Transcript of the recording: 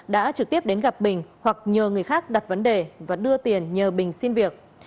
đã trực tiếp đến gặp bình hoặc nhờ người khác đặt vấn đề và đưa tiền nhờ bình xin việc